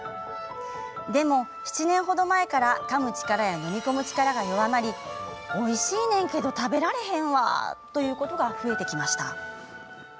でも、７年ほど前からかむ力や飲み込む力が弱まり「おいしいねんけど食べられへんわ」と言うことが増えてきました。